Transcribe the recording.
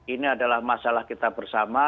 ini adalah masalah kita bersama